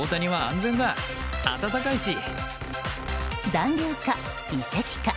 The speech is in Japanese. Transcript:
残留か、移籍か。